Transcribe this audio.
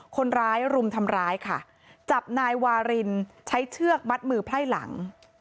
คนร้ายรุมทำร้ายค่ะจับนายวารินใช้เชือกมัดมือไพร่หลัง